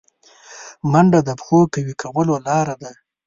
منډه د پښو قوي کولو لاره ده